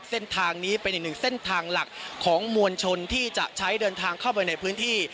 เส้นทางนี้เป็นอีกหนึ่งเส้นทางหลักของมวลชนที่จะใช้เดินทางเข้าไปในพื้นที่